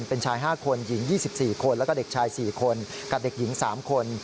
เป็นชาย๕คนหญิง๒๔คนแล้วก็เด็กชาย๔คนกับเด็กหญิง๓คน